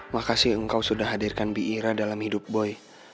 makasih engkau sudah hadirkan bi ira dalam hidup boy